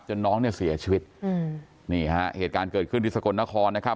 น้องเนี่ยเสียชีวิตอืมนี่ฮะเหตุการณ์เกิดขึ้นที่สกลนครนะครับ